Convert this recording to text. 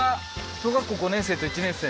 小学校５年生と１年生？